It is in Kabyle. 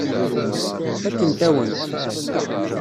Fakkent-awen-t.